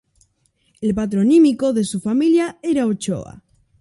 El patronímico de su familia era Ochoa.